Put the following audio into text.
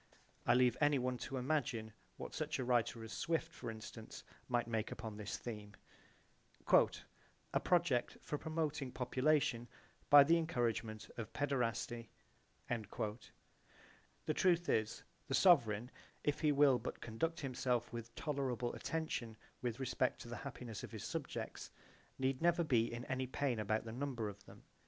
(I leave anyone to imagine what such a writer as Swift, for instance, might make upon this theme, "A project for promoting population by the encouragement of paederasty." J.B.) The truth is, the sovereign, if he will but conduct himself with tolerable attention with respect to the happiness of his subjects need never be in any pain about the number of them.